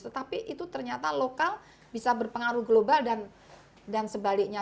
tetapi itu ternyata lokal bisa berpengaruh global dan sebaliknya